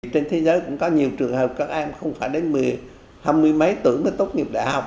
trên thế giới cũng có nhiều trường hợp các em không phải đến hai mươi mấy tuổi mới tốt nghiệp đại học